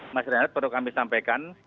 masrinat perlu kami sampaikan